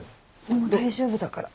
もう大丈夫だから。